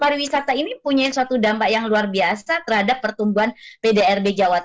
rbi jawa timur